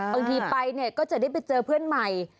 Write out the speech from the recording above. บางทีไปเนี่ยก็จะได้ไปเจอเพื่อนใหม่